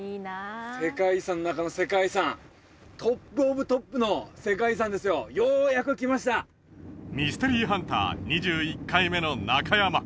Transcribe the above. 世界遺産の中の世界遺産トップオブトップの世界遺産ですよようやく来ましたミステリーハンター２１回目の中山